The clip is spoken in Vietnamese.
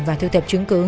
và thu thập chứng cứ